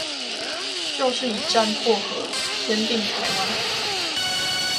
就是以戰迫和，兼併台灣